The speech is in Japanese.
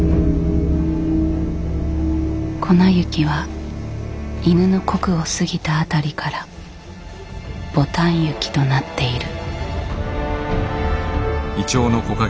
粉雪は戌の刻を過ぎた辺りから牡丹雪となっている。